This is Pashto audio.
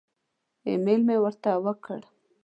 ایمیل مې ورته وکړ.